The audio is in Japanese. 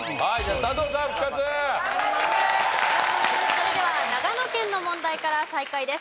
それでは長野県の問題から再開です。